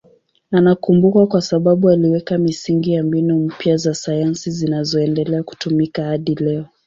Anakumbukwa kwa sababu aliweka misingi ya mbinu mpya za sayansi zinazoendelea kutumika hadi leo.